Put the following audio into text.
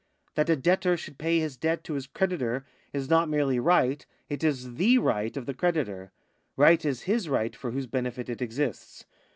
That a debtor should pay his debt to his creditor is not merely right, it is the right of the creditor. Right is his right for whose benefit it exists.